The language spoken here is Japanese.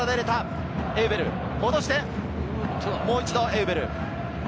もう一度、エウベル。